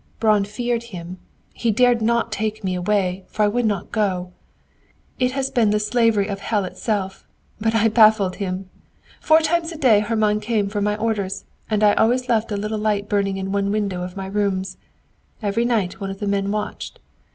"Braun feared him. He dared not take me away, for I would not go. It has been the slavery of hell itself. But I baffled him! Four times a day Hermann came for my orders, and I always left a little light burning in one window of my rooms. Every night one of the men watched.